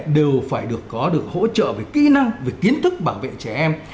đều phải được có được hỗ trợ về kỹ năng về kiến thức bảo vệ trẻ em